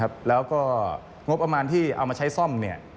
ราวก็งบอำมาตย์ที่เอามาใช้ซ่อมมันก็เยอะ